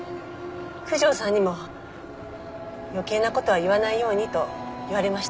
九条さんにも余計な事は言わないようにと言われました。